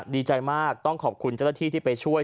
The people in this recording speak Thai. ดีใจมากต้องขอบคุณเจ้าหน้าที่ที่ไปช่วย